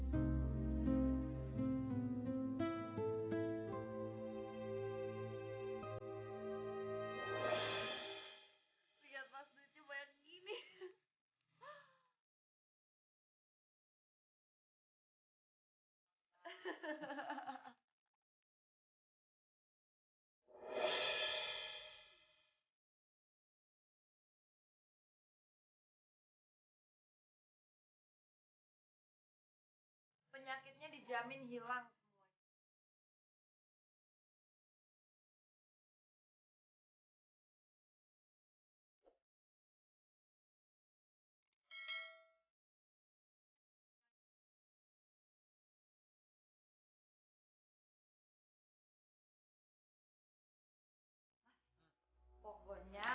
hentikan penipuan ini